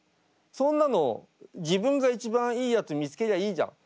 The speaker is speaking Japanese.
そんなの自分が一番いいやつ見つけりゃいいじゃん。